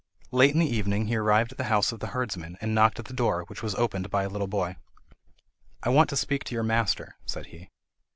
Late in the evening he arrived at the house of the herdsman, and knocked at the door, which was opened by a little boy. "I want to speak to your master," said he.